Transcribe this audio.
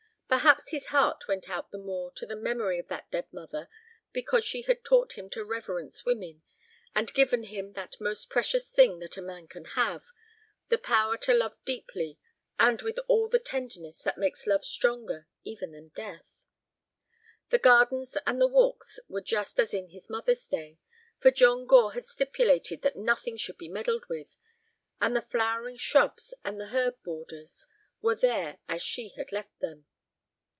Perhaps his heart went out the more to the memory of that dead mother because she had taught him to reverence women, and given him that most precious thing that a man can have: the power to love deeply and with all the tenderness that makes love stronger even than death. The gardens and the walks were just as in his mother's day, for John Gore had stipulated that nothing should be meddled with, and the flowering shrubs and the herb borders were there as she had left them.